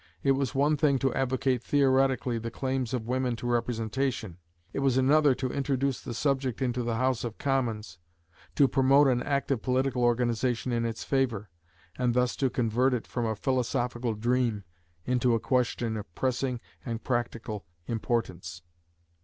It was one thing to advocate theoretically the claims of women to representation it was another to introduce the subject into the House of Commons, to promote an active political organization in its favor, and thus to convert it, from a philosophical dream, into a question of pressing and practical importance.